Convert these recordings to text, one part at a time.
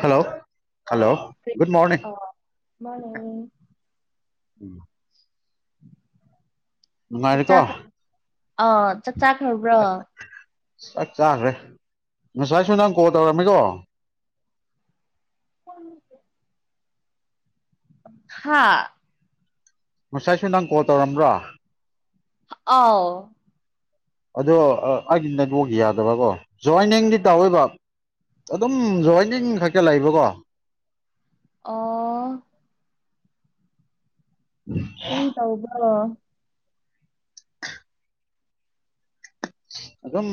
hello hello good morning ꯑ ꯃꯥꯅꯦ ꯎꯝ ꯆꯥꯛꯆꯥ ꯅꯨꯡꯉꯥꯏꯔꯤꯀꯣ ꯑꯥ ꯆꯥꯛꯆꯥꯥꯈ꯭ꯔꯕ꯭ꯔꯣ ꯆꯞ ꯆꯥꯈ꯭ꯔꯦ ꯉꯁꯥꯏꯁꯨ ꯅꯪ ꯀꯣꯜ ꯇꯧꯔꯝꯃꯤꯀꯣ ꯍꯁꯦ ꯍꯥꯥ ꯉꯁꯥꯏꯁꯨ ꯅꯪ ꯀꯣꯜ ꯇꯧꯔꯝꯕ꯭ꯔꯥ ꯑꯥꯎ ꯑꯗꯣ ꯑꯩꯗꯤ ꯅꯗꯣꯛꯈꯤ ꯌꯥꯗꯕ꯭ꯔ ꯀꯣ ꯖꯣꯏꯅꯤꯡꯗꯤ ꯇꯧꯋꯦꯕ ꯑꯗꯨꯝ ꯖꯣꯏꯅꯤꯡ ꯈꯛꯇ ꯂꯩꯕꯀꯣ ꯑꯣ ꯇꯣꯏ ꯇ ꯑꯣꯕ ꯑꯗꯝ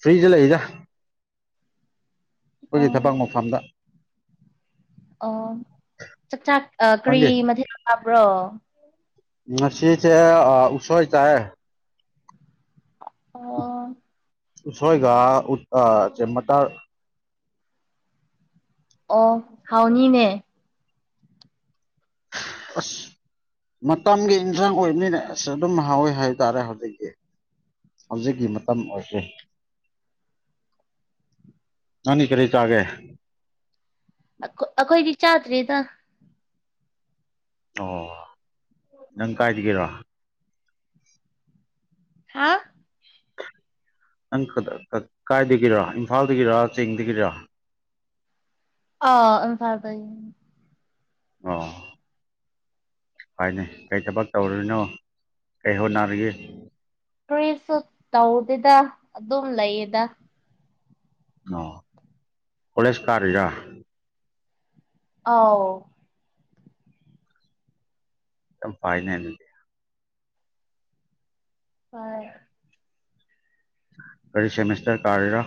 ꯐ꯭ꯔꯔꯤꯖꯂ ꯏꯗ ꯑꯣ ꯑꯩꯈꯣꯏꯒꯤ ꯊꯕꯛ ꯃꯐꯝꯗ ꯑꯣ ꯆꯥꯛ ꯆꯥꯛ ꯀꯔꯤ ꯃꯊꯦꯜ ꯂꯥꯕ꯭ꯔꯣ ꯃꯁꯤꯁꯤꯁꯦ ꯎꯁꯣꯏ ꯆꯑ ꯑꯣ ꯁꯣꯏꯒ ꯎ ꯆꯦꯃꯇꯥ ꯑꯣ ꯍꯥꯎꯅꯤꯅꯦ ꯑꯁ ꯃꯇꯝꯒꯤ ꯏꯟꯁꯥꯡ ꯑꯣꯏꯕꯅꯤꯅꯁ ꯑꯗꯨꯝ ꯍꯥꯎꯋꯤ ꯍꯥꯏ ꯇꯥꯔꯦ ꯍꯧꯖꯤꯛꯇꯤ ꯍꯧꯖꯤꯛꯀꯤ ꯃꯇꯝ ꯑꯣꯏꯒꯦ ꯀꯅꯤ ꯀꯔꯤꯦ ꯇꯒꯦ ꯑꯩꯈꯣꯏꯗꯤ ꯆꯥꯗ꯭ꯔꯤꯗ ꯑꯣ ꯅꯪ ꯀꯥꯏ ꯦꯔ ꯍꯥ ꯅꯪ ꯀꯥꯏꯗꯒꯤꯔ ꯏꯝꯐꯥꯜꯗꯒꯤꯔ ꯆꯦꯡꯗꯒꯤꯔ ꯑ ꯏꯝ ꯐꯔ ꯇ ꯑꯥ ꯍꯥꯏꯅꯤ ꯀꯩ ꯊꯕꯛ ꯇꯧꯔꯨꯔꯤꯅꯣ ꯀꯩ ꯍꯣꯠꯅꯔꯤꯒꯦ ꯀꯔꯤꯁꯨ ꯇꯧꯗꯦꯗ ꯑꯗꯨꯝ ꯂꯩꯌꯦꯗ ꯑ ꯀꯣꯂꯦꯖ ꯇꯥꯔꯤꯔꯥ ꯑ ꯇꯝ ꯄꯥꯏꯅꯦꯅꯗ ꯍ ꯀꯔꯤ ꯁꯦꯃꯦꯁꯇꯔ ꯀꯥꯔ